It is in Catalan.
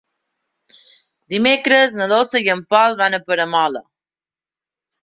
Dimecres na Dolça i en Pol van a Peramola.